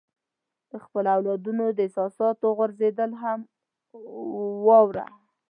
د خپلو اولادونو د احساساتو غورځېدل هم واوره.